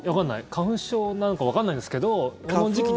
花粉症なのかわかんないんですけどその時期に。